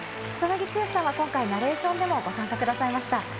草なぎ剛さんは今回、ナレーションでもご参加くださいました。